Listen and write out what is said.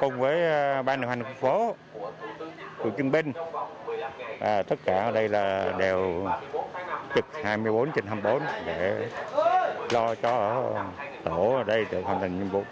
cùng với ban đồng hành phố cựu trung binh tất cả ở đây đều trực hai mươi bốn trên hai mươi bốn để lo cho tổ ở đây được hoàn thành nhiệm vụ